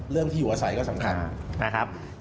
เรื่องที่อยู่ใกล้ใสก็สำคัญนะครับ